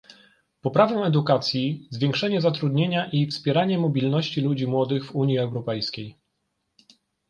poprawę edukacji, zwiększenie zatrudnienia i wspieranie mobilności ludzi młodych w Unii Europejskiej